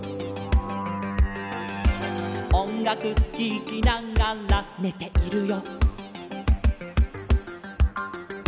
「おんがくききながらねているよ」